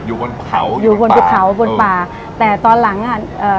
อยู่บนเขาอยู่บนภูเขาบนป่าแต่ตอนหลังอ่ะเอ่อ